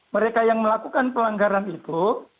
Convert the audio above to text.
mereka yang melakukan pelanggaran itu